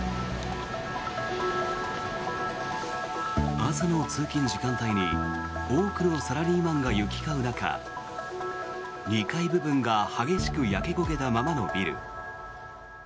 朝の通勤時間帯に多くのサラリーマンが行き交う中２階部分が激しく焼け焦げたままのビル。